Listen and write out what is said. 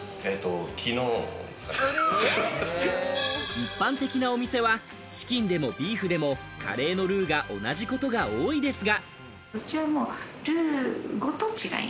一般的なお店は、チキンでもビーフでもカレーのルーが同じことが多いですが。